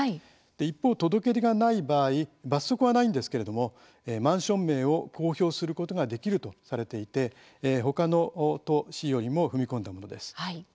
一方、届け出がない場合罰則はないんですけれどもマンション名を公表することができるとされていて、他の都、市よりも踏み込んだものです。